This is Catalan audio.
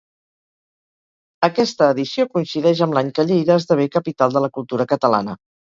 Aquesta edició coincideix amb l’any que Lleida esdevé capital de la cultura catalana.